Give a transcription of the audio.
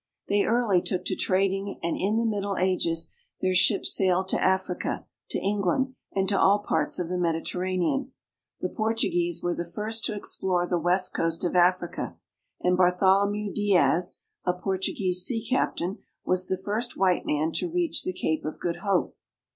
They early took to trading and in the Middle Ages their ships sailed to Africa, to England, and to all parts of the Mediterranean. The Portuguese were the first to explore the west coast of Africa, and Bartholomew Diaz (de'as), a Portuguese sea captain, was the first white man to reach the Cape of Good Hope.